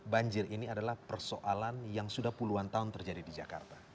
banjir ini adalah persoalan yang sudah puluhan tahun terjadi di jakarta